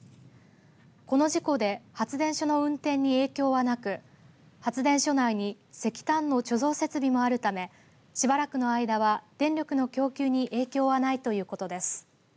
この事故で発電所の運転に影響はなく発電所内に石炭の貯蔵設備もあるためしばらくの間は電力の供給に影響はないということです。